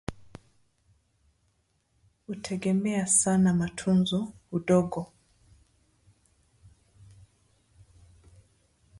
hutegemea sana matunzo, udongo,